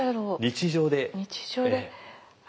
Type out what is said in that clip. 日常で？